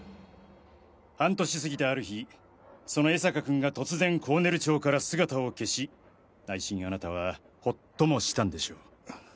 半年過ぎたある日その江坂君が突然甲練町から姿を消し内心あなたはホッともしたんでしょう。